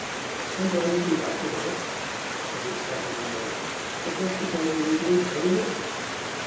Sometimes we like a book, not for any special merit, but just because it is what it is.